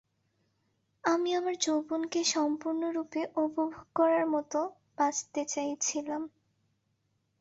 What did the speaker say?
আমি আমার যৌবনকে সম্পূর্ণরূপে উপভোগ করার মতো বাঁচতে চাইছিলাম।